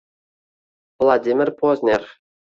Vladimir Pozner: